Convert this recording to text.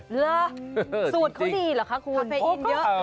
เลอทสวดเขาดีเหรอครับคุณ